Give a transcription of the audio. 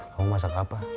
kamu masak apa